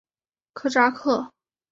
科扎克。